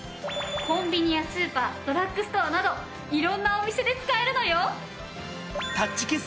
コンビニやスーパードラッグストアなど色んなお店で使えるのよ。